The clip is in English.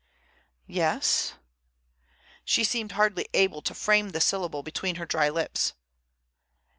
"Yes?" She seemed hardly able to frame the syllable between her dry lips.